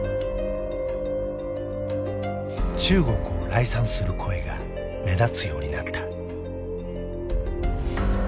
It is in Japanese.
中国を礼賛する声が目立つようになった。